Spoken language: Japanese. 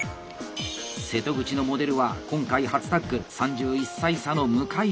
瀬戸口のモデルは今回初タッグ３１歳差の向田明日香。